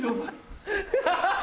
ハハハ！